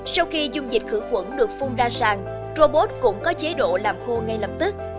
sau khi dung dịch khử khuẩn được phung ra sàn robot cũng có chế độ làm khô ngay lập tức